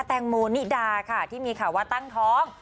แตงโมนิดาค่ะที่มีข่าวว่าตั้งท้อง